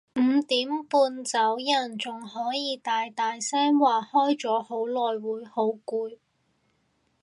五點半走人仲可以大大聲話開咗好耐會好攰